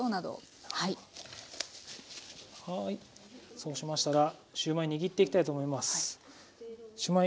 そうしましたらシューマイ握っていきたいと思います。